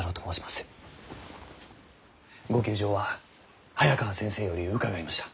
ご窮状は早川先生より伺いました。